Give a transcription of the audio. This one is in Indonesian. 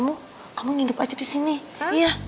mendingan kamu nginep aja di sini iya